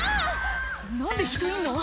何で人いんの？」